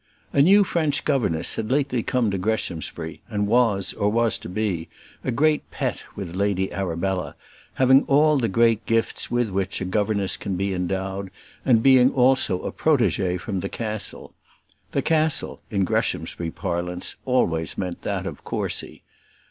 A new French governess had lately come to Greshamsbury, and was, or was to be, a great pet with Lady Arabella, having all the great gifts with which a governess can be endowed, and being also a protégée from the castle. The castle, in Greshamsbury parlance, always meant that of Courcy.